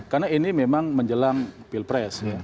karena ini memang menjelang pilpres